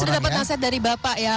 tadi sudah dapat nasihat dari bapak ya